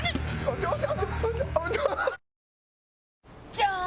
じゃーん！